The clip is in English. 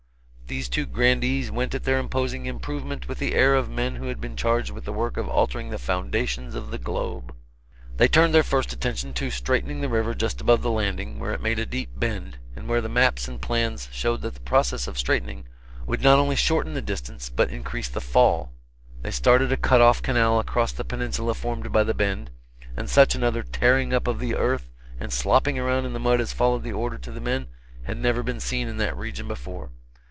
These two grandees went at their imposing "improvement" with the air of men who had been charged with the work of altering the foundations of the globe. They turned their first attention to straightening the river just above the Landing, where it made a deep bend, and where the maps and plans showed that the process of straightening would not only shorten distance but increase the "fall." They started a cut off canal across the peninsula formed by the bend, and such another tearing up of the earth and slopping around in the mud as followed the order to the men, had never been seen in that region before.